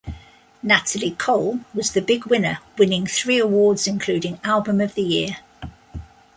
Natalie Cole was the big winner winning three awards including Album of the Year.